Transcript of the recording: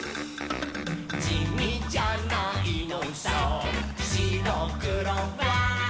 「じみじゃないのさしろくろは」